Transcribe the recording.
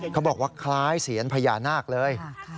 เขาบอกว่าคล้ายเสียนพญานาคเลย